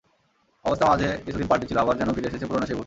অবস্থা মাঝে কিছুদিন পাল্টেছিল, আবার যেন ফিরে এসেছে পুরোনো সেই ভূত।